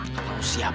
kapan lu siap